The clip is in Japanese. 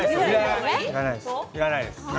いらないです。